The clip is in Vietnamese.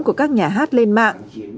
của các nhà hát lên mạng